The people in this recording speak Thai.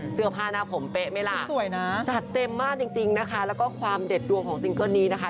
เสื้อผ้าหน้าผมเป๊ะไหมล่ะจัดเต็มมากจริงจริงนะคะแล้วก็ความเด็ดดวงของซิงเกิ้ลนี้นะคะ